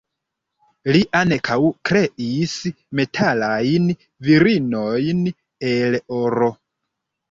Li ankaŭ kreis metalajn virinojn el oro.